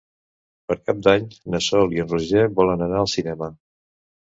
Per Cap d'Any na Sol i en Roger volen anar al cinema.